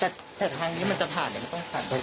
แต่ทางนี้มันจะผ่านไม่ต้องผ่าน